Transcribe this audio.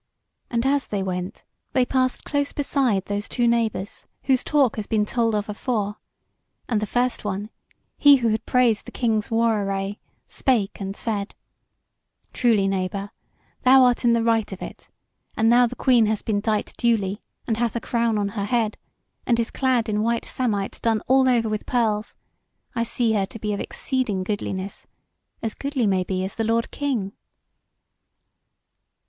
And as they went, they passed close beside those two neighbours, whose talk has been told of afore, and the first one, he who had praised the King's war array, spake and said: "Truly, neighbour, thou art in the right of it; and now the Queen has been dight duly, and hath a crown on her head, and is clad in white samite done all over with pearls, I see her to be of exceeding goodliness; as goodly, maybe, as the Lord King."